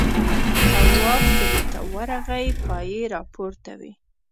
تواب کلي ته ورغی پایې راپورته وې.